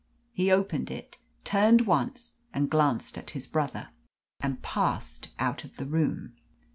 He opened it, turned once and glanced at his brother, and passed out of the room.